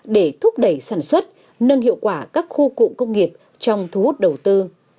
để thúc đẩy sản xuất nâng hiệu quả các khu cụm công nghiệp trong thu hút đầu tư